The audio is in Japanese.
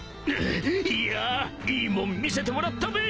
いやいいもん見せてもらったべ。